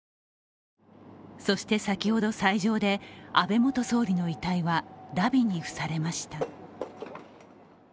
そして先ほど斎場で安倍元首相の遺体はだびに付されました。